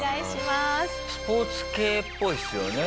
スポーツ系っぽいですよね。